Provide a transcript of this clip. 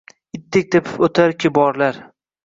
Itdek tepib oʻtar kiborlar